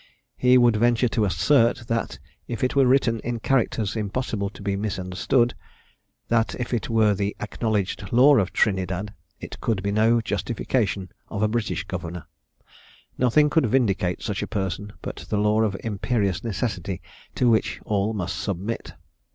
He would venture to assert, that if it were written in characters impossible to be misunderstood, that if it were the acknowledged law of Trinidad, it could be no justification of a British governor. Nothing could vindicate such a person, but the law of imperious necessity, to which all must submit.